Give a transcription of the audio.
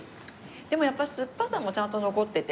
でもやっぱ酸っぱさもちゃんと残ってて。